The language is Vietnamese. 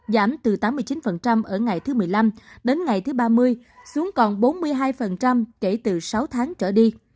giảm từ tám mươi chín ở ngày thứ một mươi năm đến ngày thứ ba mươi xuống còn bốn mươi hai kể từ sáu tháng trở đi